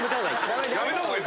やめた方がいい。